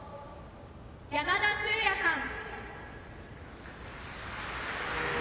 山田脩也さん。